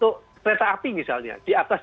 untuk kereta api misalnya di atas